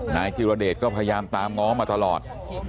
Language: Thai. นายจิรเดชก็พยายามตามง้อมาตลอด